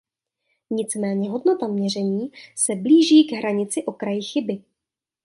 Nicméně hodnota měření se blíží k hranici okraji chyby.